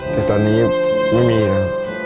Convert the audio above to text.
แต่ตอนนี้ไม่มีนะ